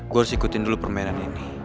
gue harus ikutin dulu permainan ini